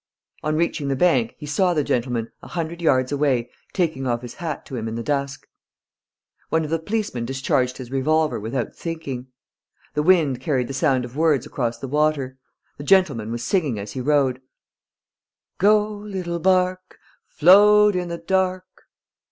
On reaching the bank, he saw the gentleman, a hundred yards away, taking off his hat to him in the dusk. One of the policemen discharged his revolver, without thinking. The wind carried the sound of words across the water. The gentleman was singing as he rowed: "Go, little bark, Float in the dark...."